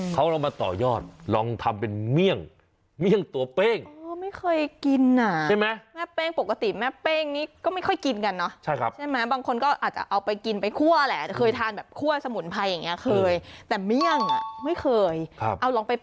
เขาเอามาต่อยอดลองทำเป็นเมี่ยง